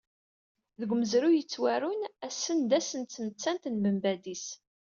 Deg umezruy yettwarun, ass-n d ass n tmettant n Ben Badis.